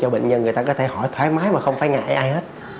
cho bệnh nhân người ta có thể hỏi thoải mái mà không phải ngại ai hết